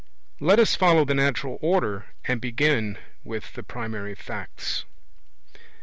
Let us follow the natural order and begin with the primary facts.